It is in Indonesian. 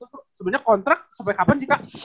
terus sebenarnya kontrak sampai kapan sih kak